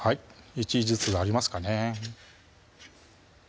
１ずつありますかね